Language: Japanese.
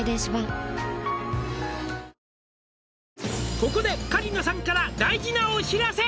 「ここで香里奈さんから大事なお知らせ」